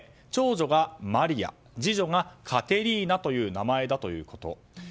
長女がマリア次女がカテリーナという名前だということ。